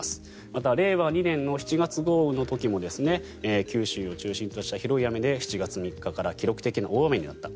また、令和２年の７月豪雨の時も九州を中心とした広い雨で７月３日から記録的な大雨になった。